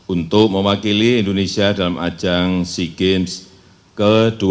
untuk mewakili indonesia dalam ajang sea games ke dua puluh